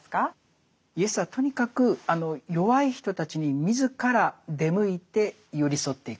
イエスはとにかく弱い人たちに自ら出向いて寄り添っていくと。